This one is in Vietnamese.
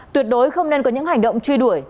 tuyệt đối không nên có những hành động truy đuổi